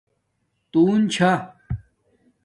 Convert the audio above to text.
تُون چھا